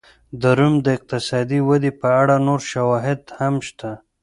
د روم د اقتصادي ودې په اړه نور شواهد هم شته